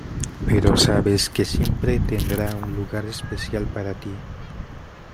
Pero sabes que siempre tendrá un lugar especial para ti.